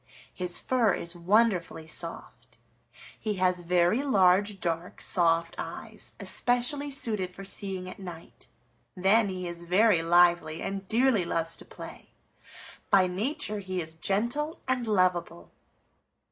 His fur is wonderfully soft. He has very large, dark, soft eyes, especially suited for seeing at night. Then, he is very lively and dearly loves to play. By nature he is gentle and lovable."